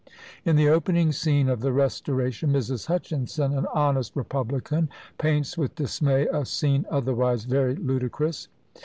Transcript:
In the opening scene of the Restoration, Mrs. Hutchinson, an honest republican, paints with dismay a scene otherwise very ludicrous.